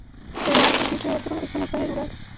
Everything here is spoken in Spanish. Pero —sentirse Otro— esto no puede durar.